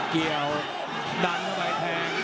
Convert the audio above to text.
เกี่ยวดันเข้าไปแทง